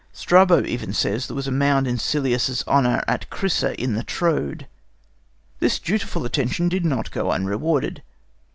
Strabo even says that there was a mound in Cillas' honour at Crisa in the Troad. This dutiful attention did not go unrewarded.